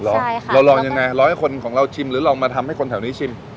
เราลองยังไงรอให้คนของเราชิมหรือลองมาทำให้คนแถวนี้ชิม